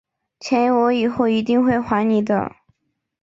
钱我以后一定会还你的